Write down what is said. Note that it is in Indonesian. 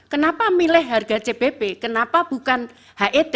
kenapa milih harga cbp kenapa bukan het